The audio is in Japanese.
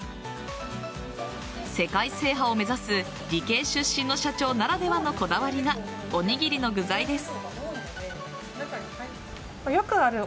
世界制覇を目指す理系出身の社長ならではのこだわりがおにぎりの具材です。